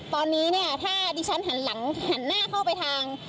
ตอนนี้ถ้าดิฉันหันหน้าเข้าไปทาง